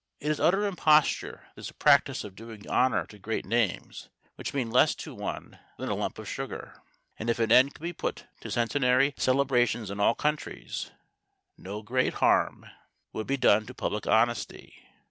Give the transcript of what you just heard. It is utter imposture, this practice of doing honour to great names which mean less to one than a lump of sugar; and if an end could be put to centenary celebrations in all countries, no great harm would be done to public honesty.